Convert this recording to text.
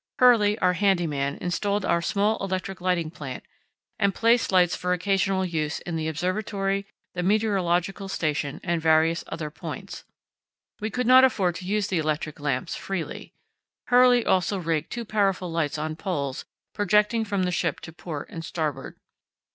Hurley, our handy man, installed our small electric lighting plant and placed lights for occasional use in the observatory, the meteorological station, and various other points. We could not afford to use the electric lamps freely. Hurley also rigged two powerful lights on poles projecting from the ship to port and starboard.